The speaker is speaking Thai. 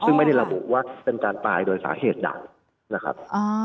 ซึ่งไม่ได้ระบุว่าเป็นการตายโดยสาเหตุใดนะครับ